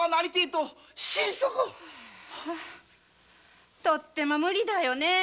とっても無理だよねぇ。